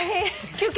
休憩？